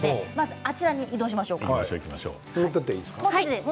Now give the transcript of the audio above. あちらに移動しましょう。